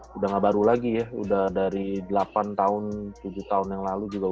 sudah nggak baru lagi ya udah dari delapan tahun tujuh tahun yang lalu juga